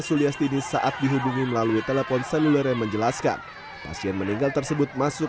suliastini saat dihubungi melalui telepon seluler yang menjelaskan pasien meninggal tersebut masuk